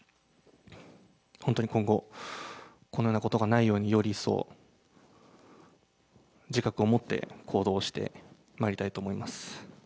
本当に今後、このようなことがないように、より一層、自覚を持って行動してまいりたいと思います。